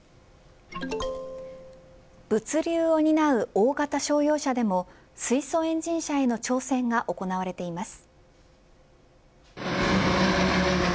物流を担う大型商用車でも水素エンジン車への挑戦が行われています。